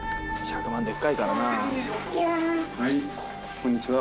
こんにちは。